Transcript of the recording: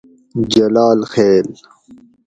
جلال خیل